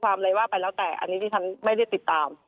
อะไรว่าไปแล้วแต่อันนี้ที่ฉันไม่ได้ติดตาม